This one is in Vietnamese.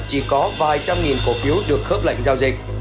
chỉ có vài trăm nghìn cổ phiếu được khớp lệnh giao dịch